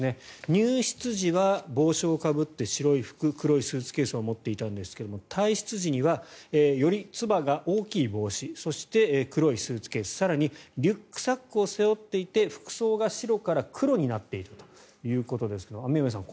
入室時は帽子をかぶって白い服黒いスーツケースを持っていたんですが退室時にはよりつばが大きい帽子そして、黒いスーツケース更にリュックサックを背負っていて服装が白から黒になっていたということですが雨宮さん